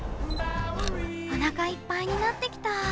おなかいっぱいになってきた。